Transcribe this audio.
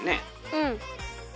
うん。